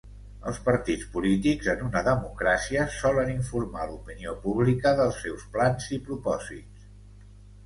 Els partits polítics en una democràcia solen informar l'opinió pública dels seus plans i propòsits.